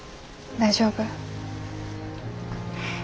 大丈夫。